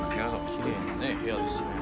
きれいなね部屋ですね。